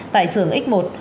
tại xưởng x một